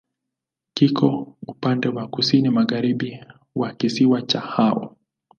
Kiko upande wa kusini-magharibi wa kisiwa cha Hao.